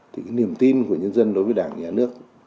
thì cái niềm tin của nhân dân đối với đảng nhà nước